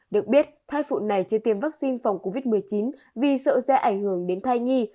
được biết thai phụ này chưa tiêm vaccine phòng covid một mươi chín vì sợ sẽ ảnh hưởng đến thai nhi